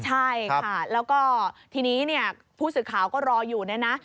ใช่ค่ะแล้วก็ทีนี้เนี่ยผู้สื่อข่าวก็รออยู่เนี่ยนะ